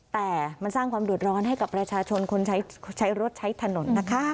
แต่มันสร้างความเดือดร้อนให้กับประชาชนคนใช้รถใช้ถนนนะคะ